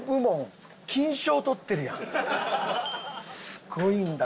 すごいんだ。